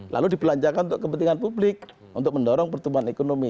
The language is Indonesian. lalu dibelanjakan untuk kepentingan publik untuk mendorong pertumbuhan ekonomi